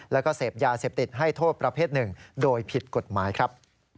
แล้วก็เสพยาเสพติดให้โทษประเภทหนึ่งโดยผิดกฎหมายครับ